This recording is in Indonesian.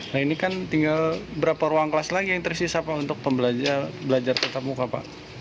nah ini kan tinggal berapa ruang kelas lagi yang tersisa pak untuk pembelajar tatap muka pak